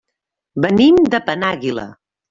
Venim de Penàguila.